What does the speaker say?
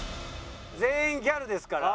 全員ギャルですから。